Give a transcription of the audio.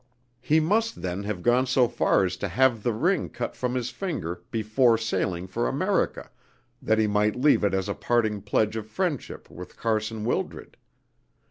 He must, then, have gone so far as to have the ring cut from his finger before sailing for America, that he might leave it as a parting pledge of friendship with Carson Wildred.